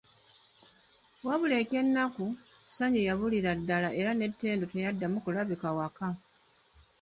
Wabula eky'ennaku, Ssanyu yabulira ddala era ne Ttendo teyaddamu kulabikako waka.